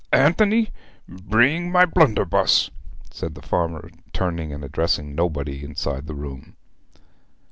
Anthony, bring my blunderbuss,' said the farmer, turning and addressing nobody inside the room.